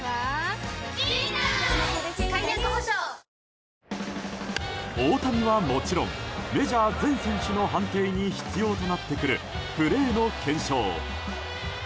ニトリ大谷はもちろんメジャー全選手の判定に必要となってくるプレーの検証。